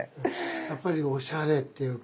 やっぱりおしゃれっていうか